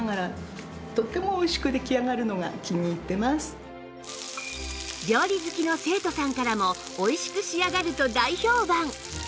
さらに料理好きの生徒さんからもおいしく仕上がると大評判！